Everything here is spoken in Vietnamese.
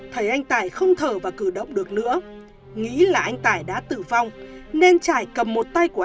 thấy anh tải không thở và cử động được nữa nghĩ là anh tải đã tử vong nên trải cầm một tay của